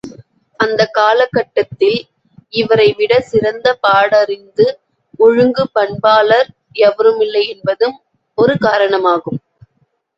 அந்தக் காலகட்டத்தில், இவரை விடச் சிறந்த பாடறிந்து ஒழுகும் பண்பாளர் எவருமில்லை என்பதும் ஒரு காரணமாகும்.